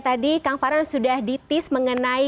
tadi kang farhan sudah ditis mengenai